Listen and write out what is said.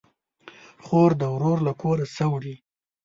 خور ده ورور له کوره سه وړي